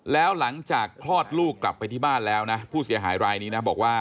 แล้วหลังจากคลอดลูกกลับไปที่บ้านแล้วนะผู้เสียหายรายนี้นะบอกว่า